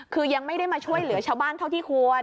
คือยังไม่ได้มาช่วยเหลือชาวบ้านเท่าที่ควร